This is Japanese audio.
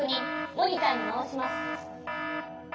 モニターにまわします。